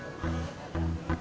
udah cukup pak